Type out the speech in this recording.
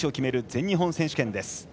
全日本選手権です。